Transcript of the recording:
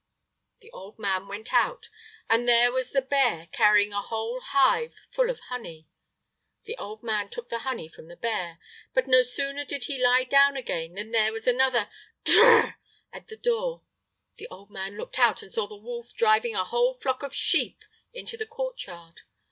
The old man went out, and there was the bear carrying a whole hive full of honey. The old man took the honey from the bear; but no sooner did he lie down than again there was another "Durrrrr!" at the door. The old man looked out and saw the wolf driving a whole flock of sheep into the courtyard.